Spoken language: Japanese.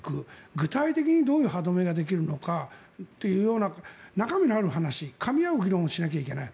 具体的にどういう歯止めができるのかというような中身のある話かみ合う議論をしなきゃいけない。